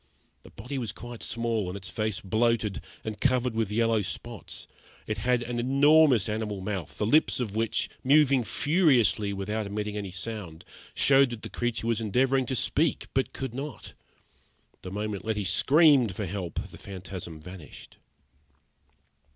The body was quite small, and its face bloated, and covered with yellow spots. It had an enormous animal mouth, the lips of which, moving furiously without emitting any sound, showed that the creature was endeavouring to speak but could not. The moment Letty screamed for help the phantasm vanished.